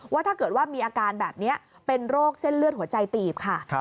ว่าถ้าเกิดว่ามีอาการแบบนี้เป็นโรคเส้นเลือดหัวใจตีบค่ะ